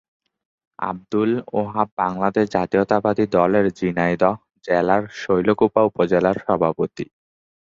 আব্দুল ওহাব বাংলাদেশ জাতীয়তাবাদী দলের ঝিনাইদহ জেলার শৈলকুপা উপজেলার সভাপতি।